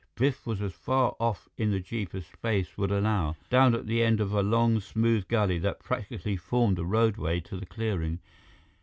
Biff was as far off in the jeep as space would allow, down at the end of a long, smooth gully that practically formed a roadway to the clearing.